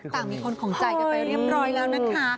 ต่างมีคนของใจกันไปเรียบร้อยแล้วนะคะ